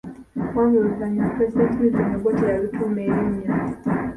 Wabula oluvannyuma Pulezidenti Milton Obote yalutuuma erinnya.